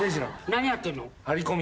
何やってんの？